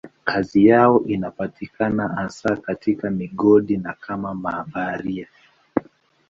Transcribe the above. Kazi yao inapatikana hasa katika migodi na kama mabaharia.